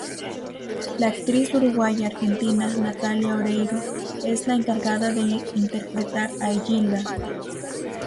La actriz uruguaya-argentina Natalia Oreiro es la encargada de interpretar a Gilda.